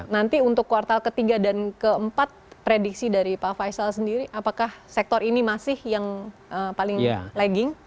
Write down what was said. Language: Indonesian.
nanti untuk kuartal ketiga dan keempat prediksi dari pak faisal sendiri apakah sektor ini masih yang paling lagging